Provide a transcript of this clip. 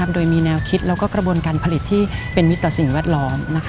โดยมีแนวคิดและกระบวนการผลิตที่เป็นมิตรต่อสิ่งแวดล้อม